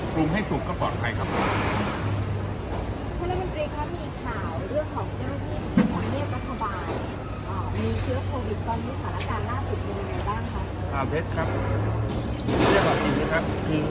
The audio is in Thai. ปรุงให้สุกก็ปลอดภัยครับคุณแม่มันตรีครับ